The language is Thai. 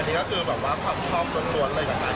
นี่ก็คือแบบว่าความชอบล้วนอะไรอย่างนั้น